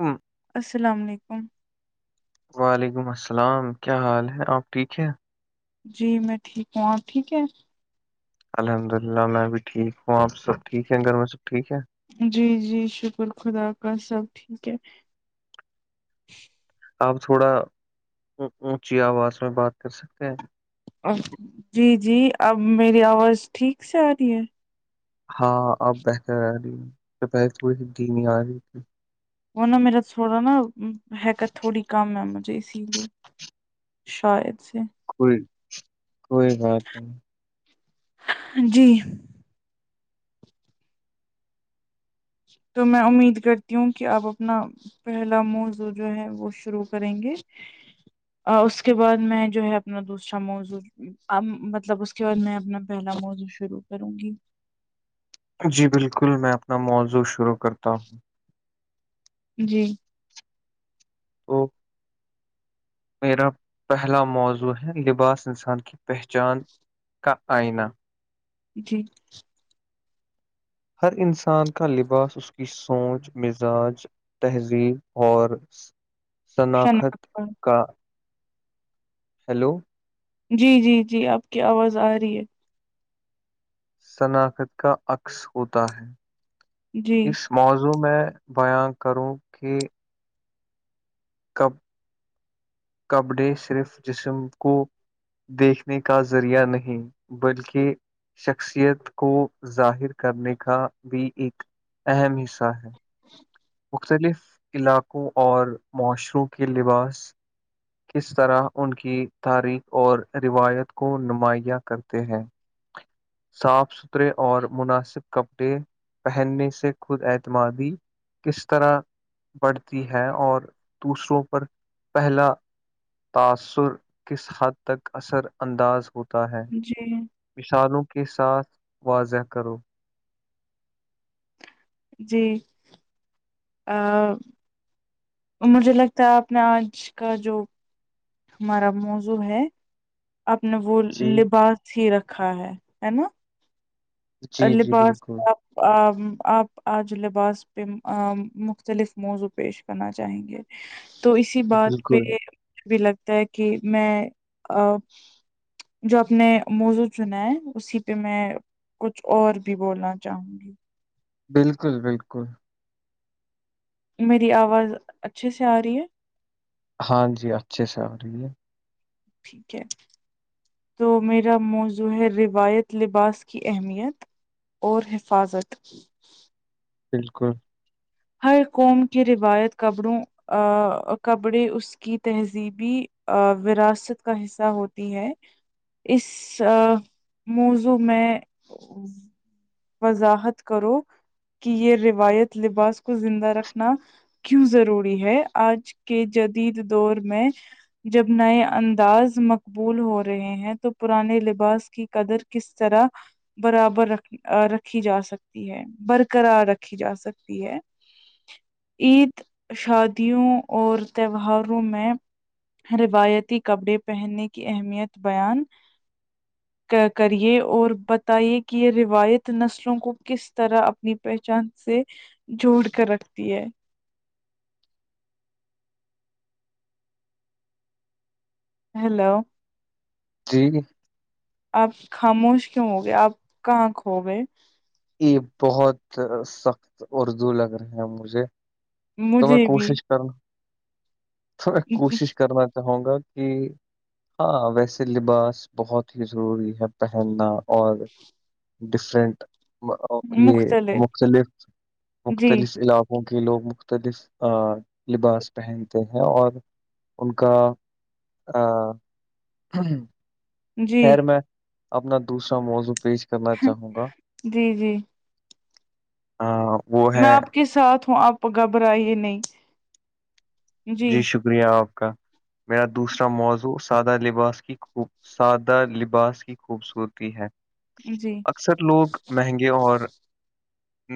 ہاں السلام علیکم وعلیکم السلام کیا حال ہے آپ ٹھیک ہیں جی میں ٹھیک ہوں آپ ٹھیک ہے الحمد للہ میں بھی ٹھیک ہوں آپ سب ٹھیک ہے گھر میں سب ٹھیک ہے جی جی شکر خدا کا سب ٹھیک ہے آپ تھوڑا اونچی آواز میں بات کر سکتے ہیں ا جی جی اب میری آواز ٹھیک سے آ رہی ہے ہاں اب بہتر آ رہی تو پہلے تھوڑی س دھیمی آ رہی تھی وہ نا میرا تھوڑا نا حیکت تھوڑی کم ہے مجھے اسی لیے شاید سے کوئی کوئی بات نہیں جی تو میں امید کرتی ہوں کہ آپ اپنا پہلا موضوع جو ہے وہ شروع کریں گے اس کے بعد میں جو ہے اپنا دوسرا موضوع اب مطلب اس کے بعد میں اپنا پہلا موضوع شروع کروں گی جی بلکل میں اپنا موضوع شروع کرتا ہوں جی [inaudible] [inaudible] میرا پہلا موضوع ہے لباس انسان کی پہچان کا آئینہ جی ہر انسان کا لباس اس کی سوچ مزاج تہذیب اور سناخت شناخت پر کا ہیلو جی جی جی آپ کی آواز آ رہی ہے سناخت کا عکس ہوتا ہے جی اس موضوع میں بیاں کروں کہ کپ کپڑے صرف جسم کو دیکھنے کا ذریعہ نہیں بلکہ شخصیت کو ظاہر کرنے کا بھی ایک اہم حصہ ہے [inaudible] مختلف علاقوں اور معاشروں کے لباس کس طرح ان کی تاریخ اور روایت کو نمایاں کرتے ہیں صاف ستھرے اور مناسب کپڑے پہننے سے خود اعتمادی کس طرح بڑھتی ہے اور دوسروں پر پہلا تاثر کس حد تک اثر انداز ہوتا ہے جی مثالوں کے ساتھ واضح کرو جی ہاں مجھے لگتا ہے آپ نے آج کا جو ہمارا موضوع ہے آپ نے وہ جی لباس ہی رکھا ہے ہے نا جی ال جی لباس بالکل آپ آج لباس پہ مختلف موضوع پیش کرنا چاہیں گے تو اسی بات پہ بالکل مجھے بھی لگتا ہے کہ میں جو اپنے موضوع چنا ہے اسی پہ میں کچھ اور بھی بولنا چاہوں گی بالکل بالکل میری آواز اچھے سے آ رہی ہے ہاں جی اچھے سے آ رہی ہے ٹھیک ہے تو میرا موضوع ہے روایت لباس کی اہمیت اور حفاظت بالکل ہر قوم کے روایت کپڑوں کپڑے اس کی تہذیبی وراثت کا حصہ ہوتی ہے اس موضوع میں وضاحت کرو کہ یہ روایت لباس کو زندہ رکھنا کیوں ضروری ہے آج کے جدید دور میں جب نئے انداز مقبول ہو رہے ہیں تو پرانے لباس کی قدر کس طرح برابر رکھ رکھی جا سکتی ہے برقرار رکھی جا سکتی ہے عید شادیوں اور تہواروں میں روایتی کپڑے پہننے کی اہمیت بیان کرے اور بتائیے کہ یہ روایت نسلوں کو کس طرح اپنی پہچان سے جوڑ کر رکھتی ہے ہیلو جی آپ خاموش کیوں ہو گے آپ کہاں کھو گے یہ بہت سخت اردو لگ رہے ہیں مجھے تو میں مجھے بھی کوشش کروں تو میں کوشش کرنا چاہوں گا کہ ہاں ویسے لباس بہت ہی ضروری ہے پہننا اور ڈفرنٹ یہ مختلف جی مختلف علاق کے لوگ مختلف لباس پہنتے ہیں اور ان کا جی خیر میں اپنا دوسرا موضوع پیش کرنا چاہوں گا جی جی ہاں میں آپ کے ساتھ ہوں آپ گھبرائیے نہیں جی شکریہ آپ کا میرا دوسرا موضوع سادہ لباس کی خوب سادہ لباس کی خوبصورتی ہے جی اکثر لوگ مہنگے اور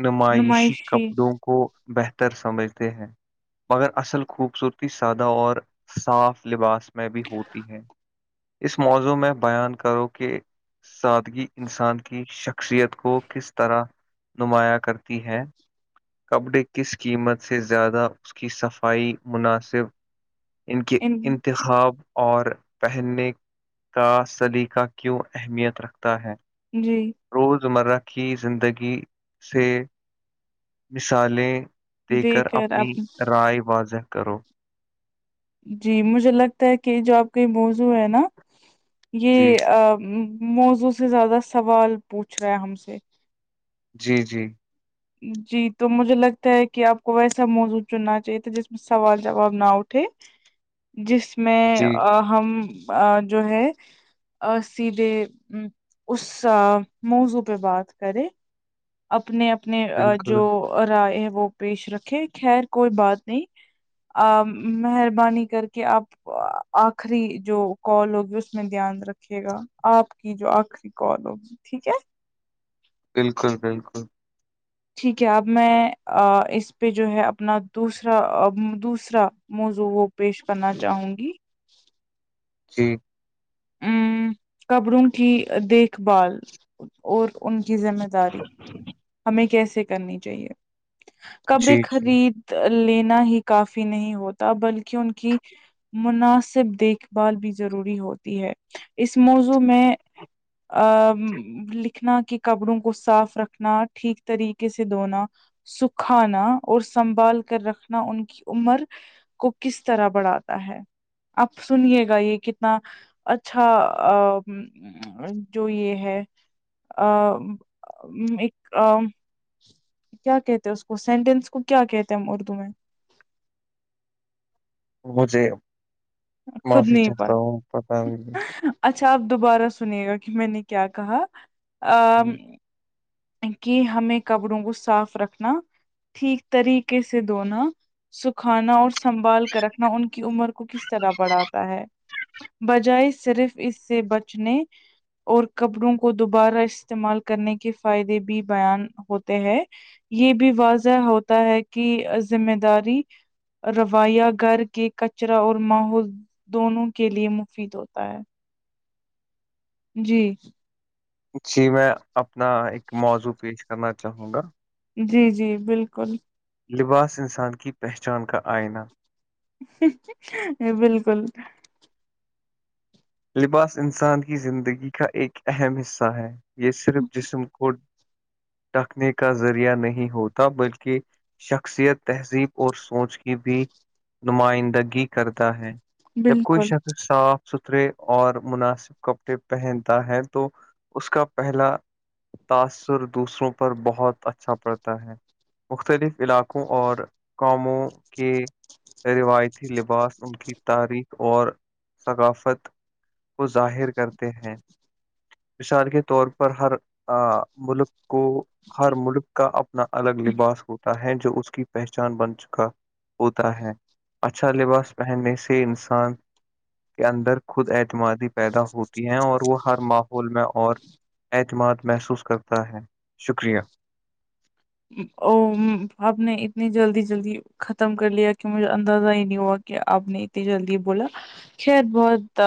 نمائشی کپڑوں کو بہتر سمجھتے ہیں مگر اصل خوبصورتی سادہ اور صاف لباس میں بھی ہوتی ہے اس موضوع میں بیان کرو کہ سادگی انسان کی شخصیت کو کس طرح نمایاں کرتی ہے کپڑے کس قیمت سے زیادہ اس کی صفائی مناسب ان کے انتخاب خواب اور پہننے کا سلیقہ کیوں اہمیت رکھتا ہے جی روزمرہ کی زندگی سے مثالیں د کر دیکھ اپنی آپ رائے واضح کرو جی مجھے لگتا ہے کہ جو آپ کے یہ موضوع ہے نا جی یہ موضوںع سے زیادہ سوال پوچھ رہا ہے ہم سے جی جی جی تو مجھے لگتا ہے کہ آپ کو ویسا موضوع چننا چاہیے تھا جس میں سوال جواب نہ اٹھے جس میں جی ہم جو ہے سیدھے ا اس موضوع پہ بات کرے اپنے اپنے بالکل جو رائے ہے وہ پیش رکھے خیر کوئی بات نہیں مہربانی کر کے آپ آخری جو کال ہوگی اس میں دھیان رکھھیے گا آپ کی جو آخری کی کال ہوگی ٹھیک ہے بالکل بالکل ٹھیک ہے اب میں اس پہ جو ہے اپنا دوسرا دوسرا موضوع وہ پیش کرنا چاہوں گی جی کپڑوں کی دیکھ بھال اور ان کی ذمہ داری ہمیں کیسے کرنی چاہیے کپڑے جی جی خرید لینا ہی کافی نہیں ہوتا بلکہ ان کی مناسب دیکھ بھال بھی ضروری ہوتی ہے اس موضوع میں آ لکھنا کہ کپڑوں کو صاف رکھنا ٹھیک طریقے سے دھونا سکھانا اور سنبھال کر رکھنا ان کی عمر کو کس طرح بڑھاتا ہے آپ سنیے گا یہ کتنا اچھا جو یہ ہے ایک کیا کہتے ہیں اس کو سینٹینس کو کیا کہتے ہیں ہم اردو میں مجھے خود معافی نہیں پڑ چاہتا ہوں پتا اچھا آپ دوبارہ سنیے گا کہ میں نے کیا کہا ہوں، کہ ہمیں کپڑوں کو صاف رکھنا ٹھیک طریقے سے دھونا سکھانا اور سنبھال کر رکھنا ان کی عمر کو کس طرح بڑھاتا ہے بجائے صرف اس سے بچنے اور کپڑوں کو دوبارہ استعمال کرنے کے فائدے بھی بیان ہوتے ہیں یہ بھی واضح ہوتا ہے کہ ذمہ داری رویہ گھر کے کچرا اور ماحول دونوں کے لیے مفید ہوتا ہے جی جی میں اپنا ایک موضوع پیش کرنا چاہوں گا جی جی بالکل لباس انسان کی پہچان کا آئینہ بالکل لباس انسان کی زندگی کا ایک اہم حصہ ہے یہ صرف جسم کو ڈکنے کا ذریعہ نہیں ہوتا بلکہ شخصیت تہذیب اور سوچ کی بھی نمائندگی کرتا ہے جب کوئی بالکل شخص صاف ستھرے اور مناسب کپڑے پہنتا ہے تو اس کا پہلا تاثر دوسروں پر بہت اچھا پڑتا ہے مختلف علاقوں اور قوموں کے روایتی لباس ان کی تاریخ اور ثقافت کو ظاہر کرتے ہیں مثال کے طور پر ہر ملک کو ہر ملک کا اپنا الگ لباس ہوتا ہے جو اس کی پہچان بن چکا ہوتا ہے اچھا لباس پہننے سے انسان کے اندر خود اعتمادی پیدا ہوتی ہیں اور وہ ہر ماحول میں اور اعتماد محسوس کرتا ہے شکریہ او آپ نے اتنی جلدی جلدی ختم کر لیا کہ مجھے اندازہ ہی نہیں ہوا کہ آپ نے اتنی جلدی بولا خیر بہت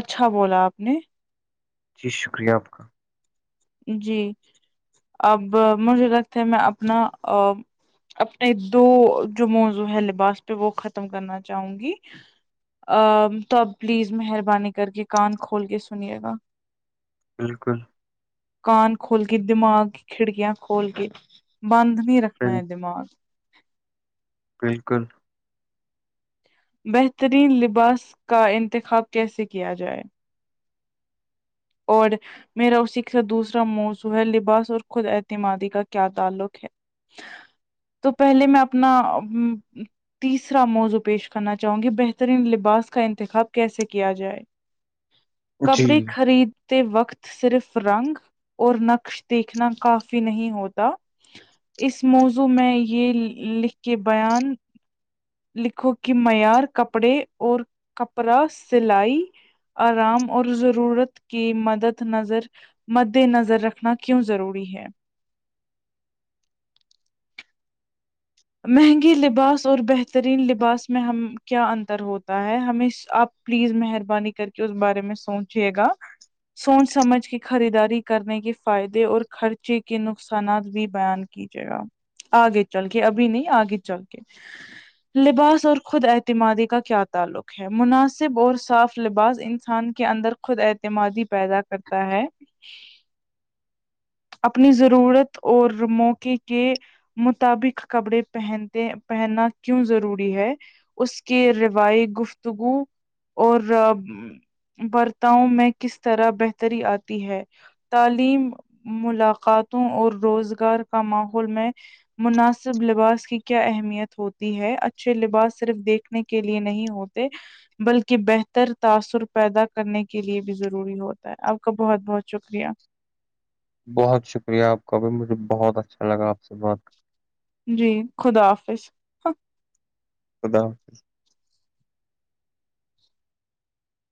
اچھا بولا آپ نے جی شکریہ آپ کا جی اب مجھے لگتا ہے میں اپنا اپنے دو جو موضوع ہے لباس پہ وہ ختم کرنا چاہوں گی ا تو اب پلیز مہربانی کر کے کان کھول کے سنیے گا بالکل کان کھول کے دماغ کی کھڑکیاں کھول کے بند نہیں رکھنا بال ہے دماغ بالکل بہترین لباس کا انتخاب کیسے کیا جائے اور میرا اسی کے ساتھ دوسرا موضوع ہے لباس اور خود اعتمادی کا کیا تعلق ہے تو پہلے میں اپنا تیسرا موضوع پیش کرنا چاہوں گی بہترین لباس کا انتخاب کیسے کیا جائے جی کپڑے خرید ت وقت صرف رنگ اور نقش دیکھنا کافی نہیں ہوتا اس موضوع میں یہ لکھ کے بیان لکھو کہ معیار کپڑے اور کپڑا سلائی آرام اور ضرورت کی مدد نظر مد نظر رکھنا کیوں ضروری ہے مہنگی لباس اور بہترین لباس میں ہم کیا انتر ہوتا ہے ہمیں آپ پلیز مہربانی کر کے اس بارے میں سوچیے گا سوچ سمجھ کے خریداری کرنے کے فائدے اور خرچے کے نقصانات بھی بیان کیجیے گا آگے چل کے ابھی نہیں آگے چل کے لباس اور خود اعتمادی کا کیا تعلق ہے مناسب اور صاف لباس انسان کے اندر خود اعتمادی پیدا کرتا ہے اپنی ضرورت اور موقع کے مطابق کپڑے پہنتے پہننا کیوں ضروری ہے اس کے روای گفتگو اور برتاؤ میں کس طرح بہتری آتی ہے تعلیم ملاقاتوں اور روزگار کا ماحول میں مناسب سب لباس کی کیا اہمیت ہوتی ہے اچھے لباس صرف دیکھنے کے لیے نہیں ہوتے بلکہ بہتر تاثر پیدا کرنے کے لیے بھی ضروری ہوتا ہے آپ کا بہت بہت شکریہ بہت شکریہ آپ کا بھی مجھے بہت اچھا لگا آپ سے بات کر جی خدا حافظ خدا حافظ